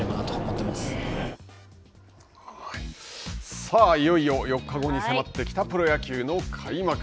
さあ、いよいよ４日後に迫ってきたプロ野球の開幕。